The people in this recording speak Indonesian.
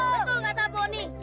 betul kata bonny